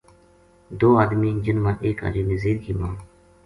دو ادمی جن ما ایک حاجی نزیر کی ماں